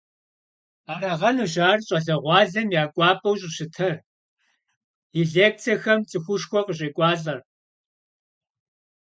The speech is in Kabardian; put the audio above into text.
Арагъэнущ ар щӀалэгъуалэм я кӀуапӀэу щӀыщытыр, и лекцэхэм цӀыхушхуэ къыщӀекӀуалӀэр.